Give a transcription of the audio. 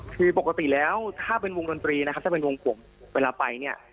คือปกติแล้วถ้าเป็นวงดนตรีนะครับถ้าเป็นวงผมเวลาไปเนี่ย